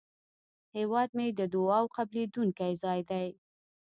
هیواد مې د دعاوو قبلېدونکی ځای دی